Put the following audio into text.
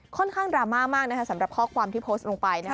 ค่อนข้างดราม่ามากนะคะสำหรับข้อความที่โพสต์ลงไปนะ